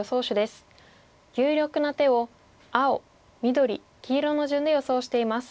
有力な手を青緑黄色の順で予想しています。